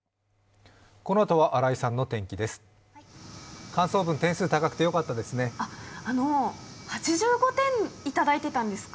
このあとは新井さんの天気です。